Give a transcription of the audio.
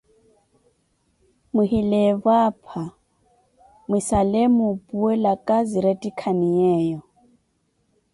Mwihileevo apa, mwisale muupuwelaka siiretikhaniyeyo.